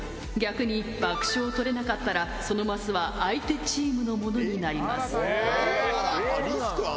逆に爆笑をとれなかったらそのマスは相手チームのものになります。